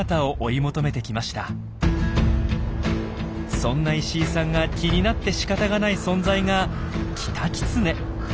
そんな石井さんが気になってしかたがない存在がキタキツネ。